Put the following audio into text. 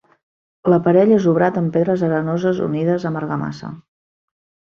L'aparell és obrat amb pedres arenoses unides amb argamassa.